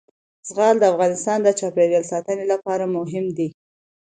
زغال د افغانستان د چاپیریال ساتنې لپاره مهم دي.